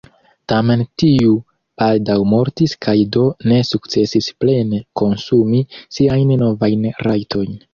Tamen tiu baldaŭ mortis kaj do ne sukcesis plene konsumi siajn novajn rajtojn.